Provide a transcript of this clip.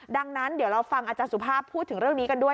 ดังนั้นเดี๋ยวเราฟังอาจารย์สุภาพพูดถึงเรื่องนี้กันด้วย